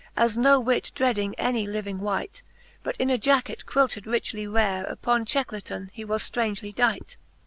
As no whit dreading any living wight; But in a Jacket quilted richly rare, Upon checklaton, he was ftraungely dight.